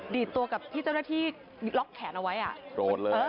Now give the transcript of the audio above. ดีดตัวกับที่เจ้าหน้าที่ล็อกแขนเอาไว้โกรธเลย